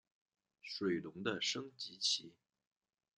水龙的升级棋。